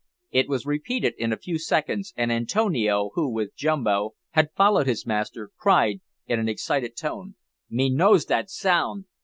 It was repeated in a few seconds, and Antonio, who, with Jumbo, had followed his master, cried in an excited tone "Me knows dat sound!"